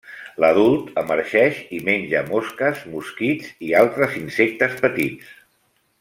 L'adult emergeix i menja mosques, mosquits, i altres insectes petits.